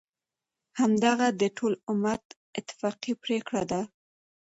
همدغه د ټول امت اتفاقی پریکړه ده،